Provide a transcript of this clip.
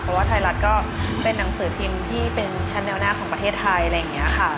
เพราะว่าไทยรัฐก็เป็นหนังสือพิมพ์ที่เป็นชั้นแนวหน้าของประเทศไทยอะไรอย่างนี้ค่ะ